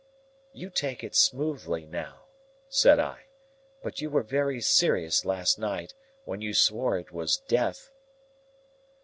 "You take it smoothly now," said I, "but you were very serious last night, when you swore it was Death."